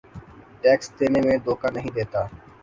tax دینے میں دھوکہ نہیں دیتا